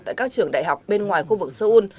tại các trường đại học bên ngoài khu vực seoul